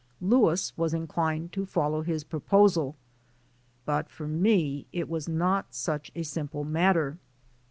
Louis was inclined to follow his proposal, but for me it was not such a simple matter.